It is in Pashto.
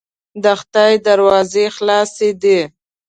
د خدای دروازې خلاصې دي.